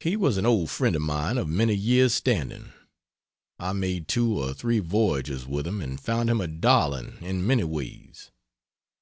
He was an old friend of mine of many years' standing; I made two or three voyages with him, and found him a darling in many ways.